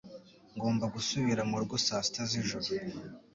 Ngomba gusubira murugo saa sita z'ijoro